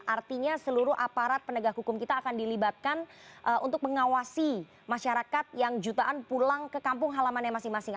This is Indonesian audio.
artinya seluruh aparat penegak hukum kita akan dilibatkan untuk mengawasi masyarakat yang jutaan pulang ke kampung halaman yang masing masing